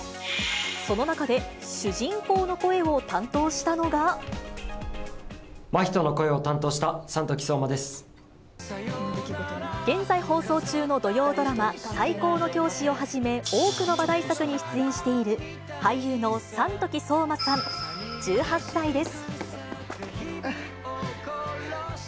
その中で、主人公の声を担当した眞人の声を担当した、現在、放送中の土曜ドラマ、最高の教師をはじめ、多くの話題作に出演している俳優の山時聡真さん１８歳です。